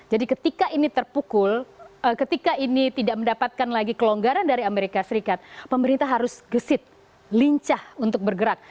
jadi ketika ini terpukul ketika ini tidak mendapatkan lagi kelonggaran dari amerika serikat pemerintah harus gesit lincah untuk bergerak